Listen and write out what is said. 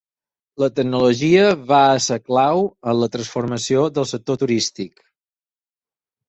La tecnologia va a ser clau en la transformació del sector turístic.